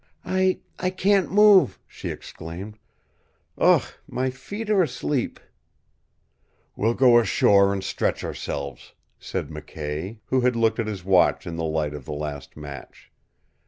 "I I can't move," she exclaimed. "UGH! my feet are asleep " "We'll go ashore and stretch ourselves," said McKay, who had looked at his watch in the light of the last match.